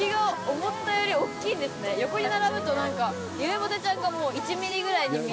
横に並ぶと何かゆめぽてちゃんが１ｍｍぐらいに見える。